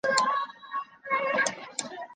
美军也拒绝远离海参崴。